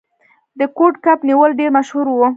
د کوډ کب نیول ډیر مشهور و.